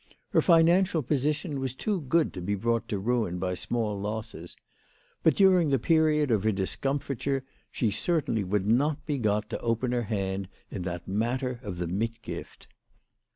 Her financial position was too good to be brought to ruin by small losses. But during the period of her discomfiture she certainly would not be got to open her hand in that matter of the mitgift.